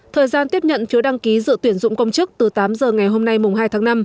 thời gian tiếp nhận phiếu đăng ký dự tuyển dụng công chức từ tám giờ ngày hôm nay mùng hai tháng năm